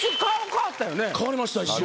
変わりました一瞬。